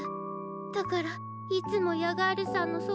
だからいつもヤガールさんのそばにいたくて。